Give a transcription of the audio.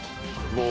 もう。